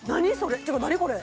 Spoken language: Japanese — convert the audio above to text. ちょっと何これ？